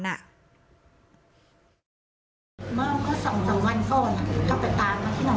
เช้ากลับมาประมาณ๘โมง